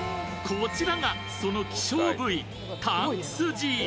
こちらが、その希少部位、タンすじ。